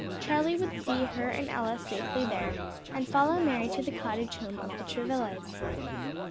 Charlie would see her and Ella safely there, and follow Mary to the cottage home of the Travillas.